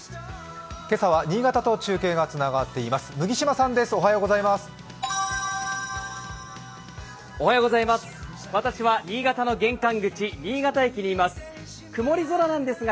今朝は新潟と中継がつながっています。